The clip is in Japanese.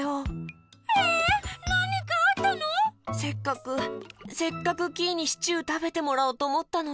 せっかくせっかくキイにシチューたべてもらおうとおもったのに。